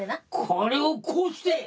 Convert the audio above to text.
「これをこうして！